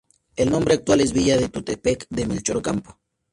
El nombre actual es Villa de Tututepec de Melchor Ocampo.